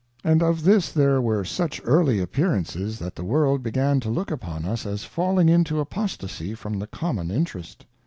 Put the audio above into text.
And of this there were such early appearances, that the World began to look upon us as falling intoApostacy from the common Interes t.